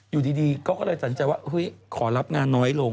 อยู่ดีเขาก็เลยสัญญาว่าคอยลับงานน้อยลง